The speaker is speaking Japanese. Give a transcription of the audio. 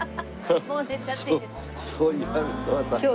そう言われるとなんか。